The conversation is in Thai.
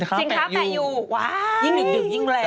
ว้าวยิ่งดึงยิ่งแรง